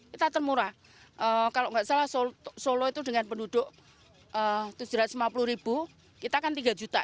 kita termurah kalau nggak salah solo itu dengan penduduk tujuh ratus lima puluh ribu kita kan tiga juta